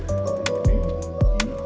f pertimbangan kemah